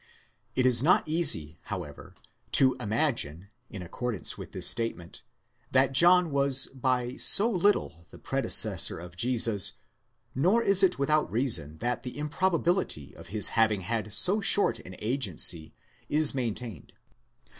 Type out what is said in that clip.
It is not easy, however, to imagine, in accordance with this statement, that John was by so little the predecessor of Jesus, nor is it without reason that the improbability of his having had so short an agency is maintained.